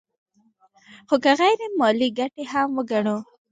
خو که غیر مالي ګټې هم وګڼو